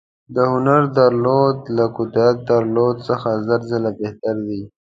د هنر درلودل له قدرت درلودلو څخه زر ځله بهتر دي.